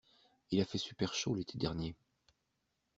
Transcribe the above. Il a fait super chaud l'été dernier.